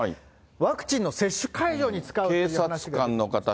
ワクチンの接種会場に使う。